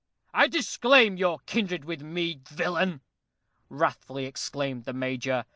"I disclaim your kindred with me, villain!" wrathfully exclaimed the Major.